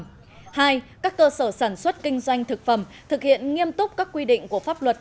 cục an toàn thực phẩm đề nghị hai các cơ sở sản xuất kinh doanh thực phẩm thực hiện nghiêm túc các quy định của pháp luật